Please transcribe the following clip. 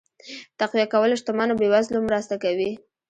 تقويه کول شتمنو بې وزلو مرسته کوي.